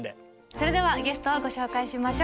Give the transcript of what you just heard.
それではゲストをご紹介しましょう。